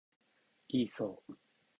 イーソー